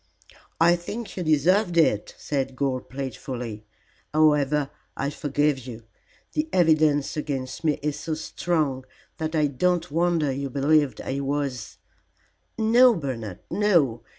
"I think you deserved it," said Gore, playfully. "However, I forgive you. The evidence against me is so strong that I don't wonder you believed I was " "No, Bernard, no.